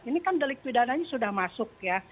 ini kan delik pidananya sudah masuk ya